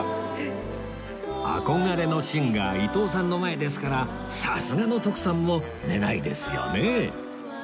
憧れのシンガー伊東さんの前ですからさすがの徳さんも寝ないですよね？